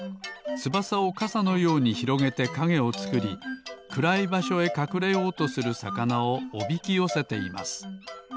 つばさをかさのようにひろげてかげをつくりくらいばしょへかくれようとするさかなをおびきよせています。